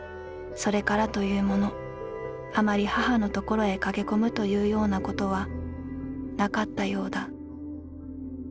それからというもの余り母のところへ駆け込むというような事はなかったようだ」。